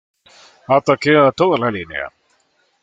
Ataque a toda la línea!